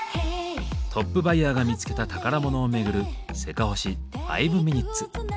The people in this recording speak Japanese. トップバイヤーが見つけた宝物を巡る「せかほし５ｍｉｎ．」。